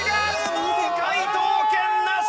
もう解答権なし。